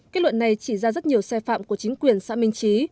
kết luận này chỉ ra rất nhiều xe phạm của chính quyền xã minh trí